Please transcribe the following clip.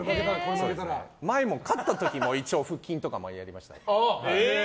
前、勝った時も一応、腹筋とかやりましたね。